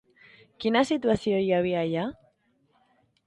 Quina situació hi havia allà?